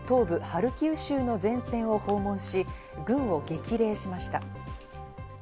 ハルキウ州の前線を訪問し、軍を激励しました。